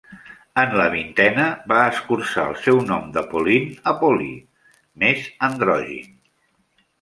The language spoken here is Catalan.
En la vintena, va escurçar el seu nom de Pauline a Pauli, més androgin.